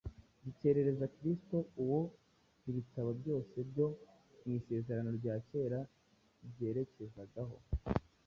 Zikerereza Kristo uwo ibitambo byose byo mu Isezerano rya Kera byerekezagaho,